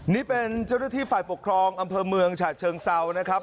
นี่เป็นเจ้าหน้าที่ฝ่ายปกครองอำเภอเมืองฉะเชิงเซานะครับ